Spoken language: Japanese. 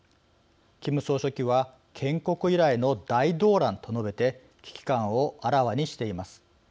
キム総書記は「建国以来の大動乱」と述べて危機感をあらわにしています。